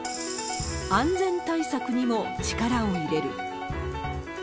安全対策にも力を入れる。